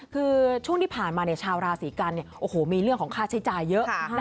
คือช่วงที่ผ่านมาในชาวราศีกรรมีเรื่องของค่าใช้จ่ายเยอะ